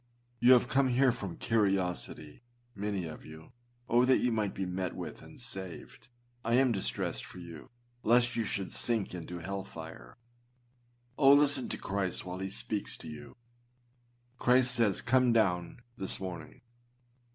You have come here from curiosity, many of you. Oh! that you might be met with and saved. I am distressed for you lest you should sink into hell fire. Oh! listen to Christ while he speaks to you. Christ says, â Come downâ this morning.